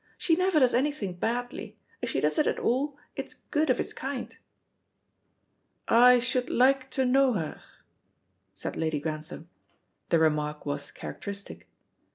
"She never does anything badly. If she does it at all, it's good of its kind." "I should like to know her," said Lady Grantham. The remark was characteristic.